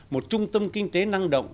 một trung tâm kinh tế năng động